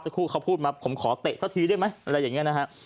สักครู่เขาพูดมาผมขอเตะซะทีด้วยไหมอะไรอย่างเงี้ยนะฮะ